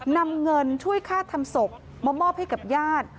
นำเงินช่วยค่าทำศพมามอบให้กับญาติ